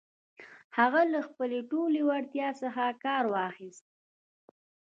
هغه له خپلې ټولې وړتيا څخه کار واخيست.